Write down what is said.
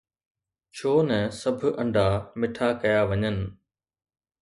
ڇو نه سڀ انڊا مٺا ڪيا وڃن؟